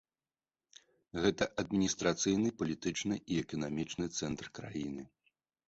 Гэта адміністрацыйны, палітычны і эканамічны цэнтр краіны.